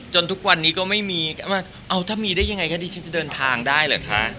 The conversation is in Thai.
ทุกวันนี้ก็ไม่มีเอาถ้ามีได้ยังไงคะดิฉันจะเดินทางได้เหรอคะ